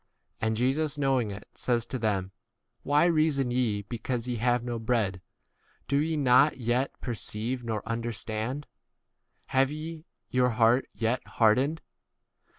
And Jesus knowing [it], says to them. Why reason ye because ye have no bread ? Do ye not yet per ceive nor understand ? Have ye 18 your heart yet hardened